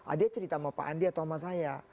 adi cerita sama pak andi atau sama saya